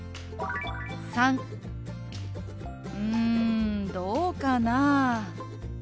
③「うんどうかなぁ？」。